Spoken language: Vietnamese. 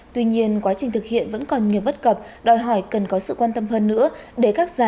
tuy nhiên quá trình thực hiện vẫn còn nhiều bất cập đòi hỏi cần có sự quan tâm hơn nữa để các gia đình